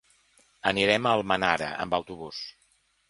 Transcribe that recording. Anirem a Almenara amb autobús.